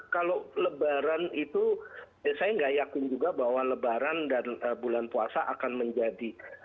kalau lebaran itu saya nggak yakin juga bahwa lebaran dan bulan puasa akan menjadi